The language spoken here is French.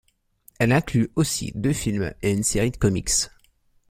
Elle inclut aussi deux films et une série de comics.